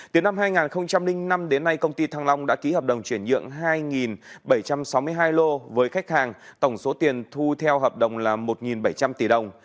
từ năm hai nghìn năm đến nay công ty thăng long đã ký hợp đồng chuyển nhượng hai bảy trăm sáu mươi hai lô với khách hàng tổng số tiền thu theo hợp đồng là một bảy trăm linh tỷ đồng